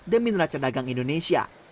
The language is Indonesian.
demi neraca dagang indonesia